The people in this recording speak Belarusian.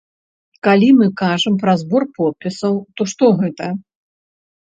Калі мы кажам пра збор подпісаў, то што гэта?